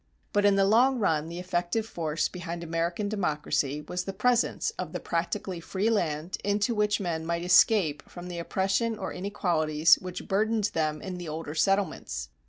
But in the long run the effective force behind American democracy was the presence of the practically free land into which men might escape from oppression or inequalities which burdened them in the older settlements.